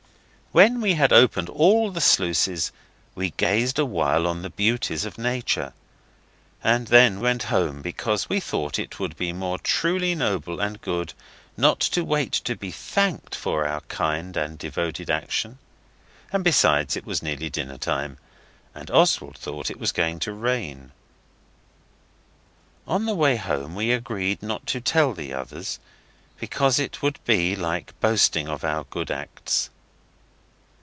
When we had opened all the sluices we gazed awhile on the beauties of Nature, and then went home, because we thought it would be more truly noble and good not to wait to be thanked for our kind and devoted action and besides, it was nearly dinner time and Oswald thought it was going to rain. On the way home we agreed not to tell the others, because it would be like boasting of our good acts.